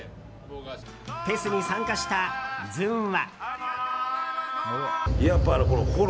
フェスに参加した、ずんは。